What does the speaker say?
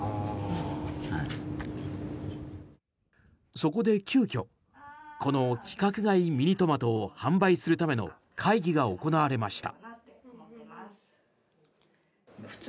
そこで急きょこの規格外ミニトマトを販売するための会議が行われました。